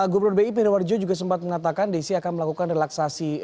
gubernur bi perdowarjo juga sempat mengatakan desi akan melakukan relaksasi